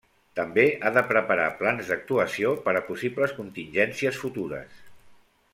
També ha de preparar plans d'actuació per a possibles contingències futures.